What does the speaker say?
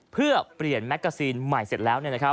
เพื่อเปลี่ยนแมกกาซีนใหม่เสร็จแล้ว